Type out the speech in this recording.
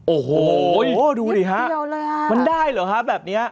โอ้โหโหดูเลยฮะมันได้เหรอแบบเนี้ย